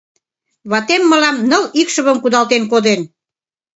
Ватем мылам ныл икшывым кудалтен коден...